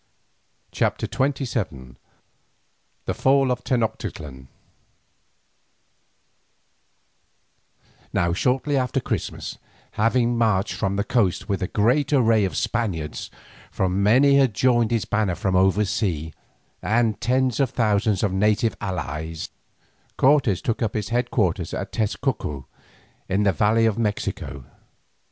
CHAPTER XXVII THE FALL OF TENOCTITLAN Now shortly after Christmas, having marched from the coast with a great array of Spaniards, for many had joined his banner from over sea, and tens of thousands of native allies, Cortes took up his head quarters at Tezcuco in the valley of Mexico.